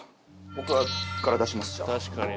僕から出しますじゃあ。